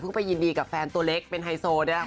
พึ่งไปยินดีกับแฟนตัวเล็กเป็นไฮโซด้วยนะคะ